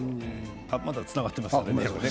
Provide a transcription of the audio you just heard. まだつながっていました。